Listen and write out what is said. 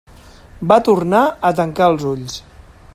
Va tornar a tancar els ulls.